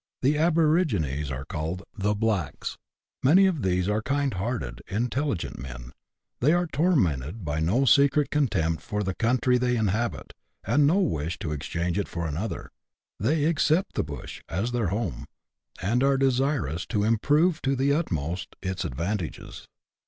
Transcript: The aborigines are called " the blacks." Many of these are kindhearted, intelligent men ; they are tormented by no secret contempt for the country they inhabit, and no wish to exchange it for another ; they accept " the bush " as their home, and are desirous to improve to the utmost its advantages.